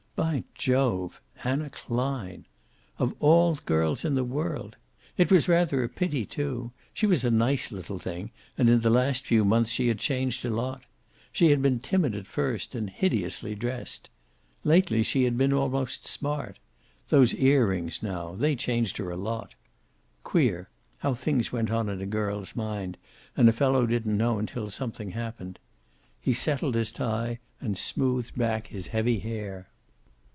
By Jove! Anna Klein! Of all girls in the world! It was rather a pity, too. She was a nice little thing, and in the last few months she had changed a lot. She had been timid at first, and hideously dressed. Lately she had been almost smart. Those ear rings now they changed her a lot. Queer how things went on in a girl's mind, and a fellow didn't know until something happened. He settled his tie and smoothed back his heavy hair.